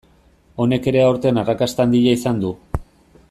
Honek ere aurten arrakasta handia izan du.